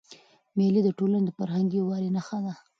مېلې د ټولني د فرهنګي یووالي نخښه ده.